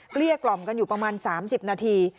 เกี้ยกล่อมกันอยู่ประมาณ๓๐นาที